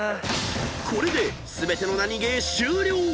［これで全てのナニゲー終了］